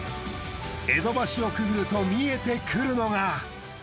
江戸橋をくぐると見えてくるのが。